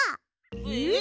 えっ！？